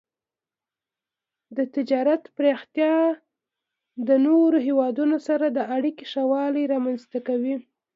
د تجارت پراختیا د نورو هیوادونو سره د اړیکو ښه والی رامنځته کوي.